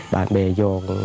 bạn bè vô